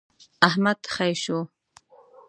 احمد خې شو.